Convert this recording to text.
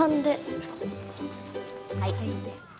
はい。